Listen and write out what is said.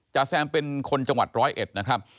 แซมเป็นคนจังหวัดร้อยเอ็ดนะครับ